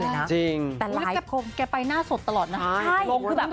แล้วดูแกรดโกงแกไปหน้าสดตลอดนะ